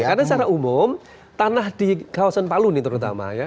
karena secara umum tanah di kawasan palu nih terutama ya